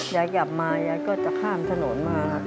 ยายกลับมายายก็จะข้ามถนนมา